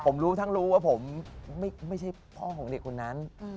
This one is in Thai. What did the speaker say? ผมรู้ทั้งรู้ว่าผมไม่ใช่พ่อของเด็กคนนั้น